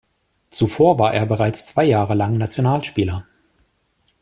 Zuvor war er bereits zwei Jahre lang Nationalspieler.